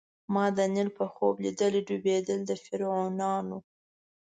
ما د نیل په خوب لیدلي ډوبېدل د فرعونانو